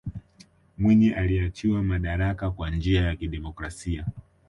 mwinyi aliachiwa madaraka kwa njia ya kidemokrasia